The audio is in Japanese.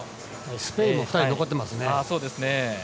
スペインも２人残っていますね。